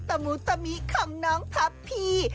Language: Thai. ตะหมูตะมีของน้องพับพี่